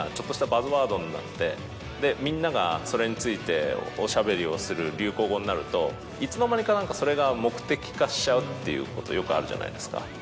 みんながそれについておしゃべりをする流行語になるといつの間にか何かそれが目的化しちゃうっていうことよくあるじゃないですか。